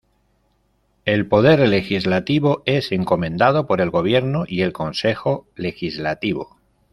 El poder legislativo es encomendado por el gobierno y el Consejo Legislativo.